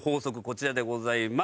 こちらでございます。